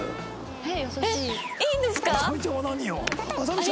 えっいいんですか？